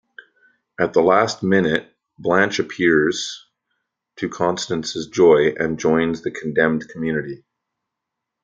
At the last minute, Blanche appears, to Constance's joy, and joins the condemned community.